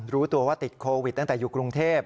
รู้ตัวว่าติดโควิดตั้งแต่อยู่กรุงเทพ